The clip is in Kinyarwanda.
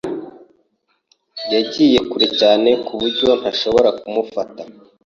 Yagiye kure cyane ku buryo ntashobora kumufata.